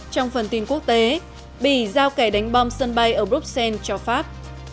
trong phần tin quốc tế bỉ giao kẻ đánh bom sân bay ở bruxelles cho pháp